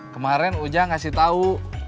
kemarin ujang ngasih tau